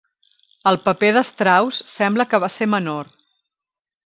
El paper de Strauss sembla que va ser menor.